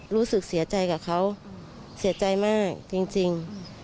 รู้สึกเสียใจกับเขาเสียใจมากจริง